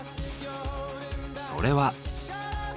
それは。